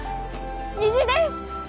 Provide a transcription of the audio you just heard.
虹です！